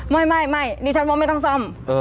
ไม่ดิฉันว่าไม่ต้องซ่อม